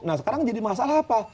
nah sekarang jadi masalah apa